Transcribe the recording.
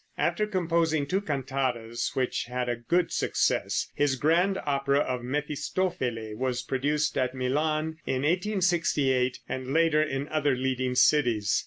After composing two cantatas, which had a good success, his grand opera of "Mefistofele" was produced at Milan in 1868, and later in other leading cities.